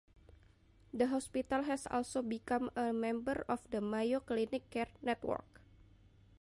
The hospital has also become a member of the Mayo Clinic Care Network.